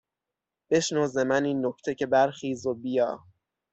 بشنو ز من این نکته که برخیز و بیا